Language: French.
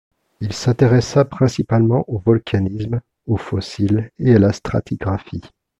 Il s'intéressa principalement au volcanisme, aux fossiles et à la stratigraphie.